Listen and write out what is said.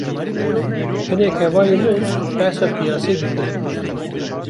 Hinek hevalên min behsa piyasê dikirin